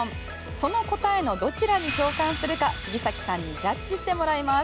その答えのどちらに共感するか杉崎さんにジャッジしてもらいます。